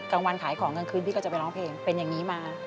กลางวันขายของกลางคืนพี่ก็จะไปร้องเพลงเป็นอย่างนี้มา